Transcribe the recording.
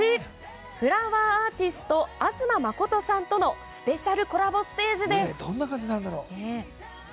フラワーアーティスト東信さんとスペシャルコラボステージです